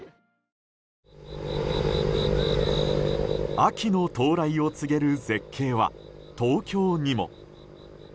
秋の到来を告げる絶景は東京にも。